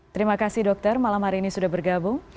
terima kasih dokter malam hari ini sudah bergabung